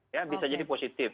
ya bisa jadi positif